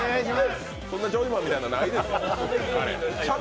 そんなジョイマンみたいなのない。